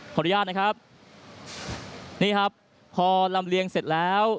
ขออนุญาตนะครับนี่ครับพอลำเลียงเสร็จแล้ว